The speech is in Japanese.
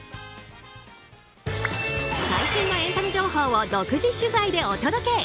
最新のエンタメ情報を独自取材でお届け。